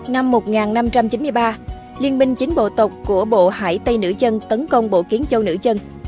năm một nghìn năm trăm chín mươi ba liên minh chính bộ tộc của bộ hải tây nữ chân tấn công bộ kiến châu nữ chân